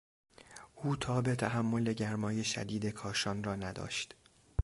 او تاب تحمل گرمای شدید کاشان را نداشت.